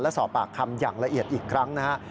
และสอบปากคำอย่างละเอียดอีกครั้งนะครับ